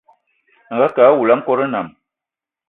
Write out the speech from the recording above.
Angakë awula a nkòt nnam